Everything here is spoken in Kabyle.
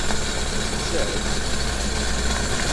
Mazal!